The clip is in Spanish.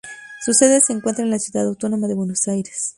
Su sede se encuentra en la Ciudad Autónoma de Buenos Aires.